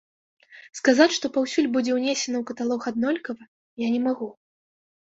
Сказаць, што паўсюль будзе ўнесена ў каталог аднолькава, я не магу.